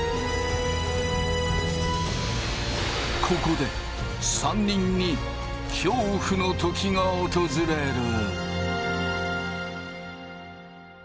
ここで３人に恐怖のときが訪れる。